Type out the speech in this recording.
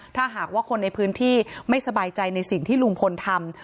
ถ้าหากว่าคนในพื้นที่ไม่สบายใจในสิ่งที่ลุงพลทำ